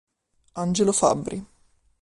Angelo Fabbri